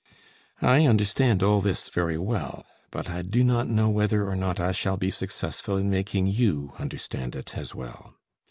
I understand all this very well, but I do not know whether or not I shall be successful in making you understand it as well.